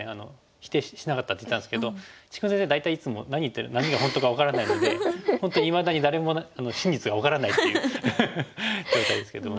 否定しなかったって言ったんですけど治勲先生大体いつも何が本当か分からないので本当にいまだに誰も真実が分からないという状態ですけども。